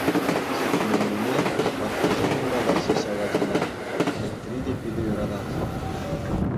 Ҫитменнине, ваттисем юратаҫҫӗ ҫав ачана, Энтри те питӗ юратать.